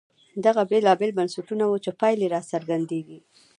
دغه بېلابېل بنسټونه وو چې پایلې یې راڅرګندېدې.